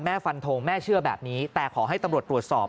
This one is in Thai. ฟันทงแม่เชื่อแบบนี้แต่ขอให้ตำรวจตรวจสอบ